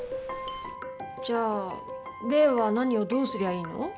じゃあ怜は何をどうすりゃいいの？